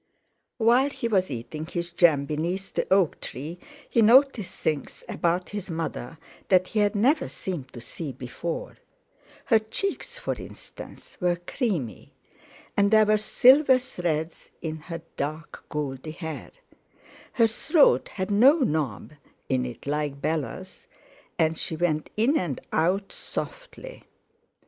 While he was eating his jam beneath the oak tree, he noticed things about his mother that he had never seemed to see before, her cheeks for instance were creamy, there were silver threads in her dark goldy hair, her throat had no knob in it like Bella's, and she went in and out softly.